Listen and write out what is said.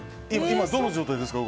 今、どの状態ですか？